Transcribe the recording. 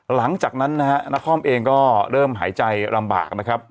หลังจากนั้นนะฮะนครเองก็เริ่มหายใจลำบากนะครับ